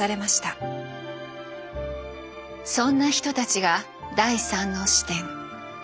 そんな人たちが第３の視点。